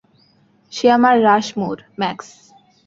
সে আমার Rushmore, max.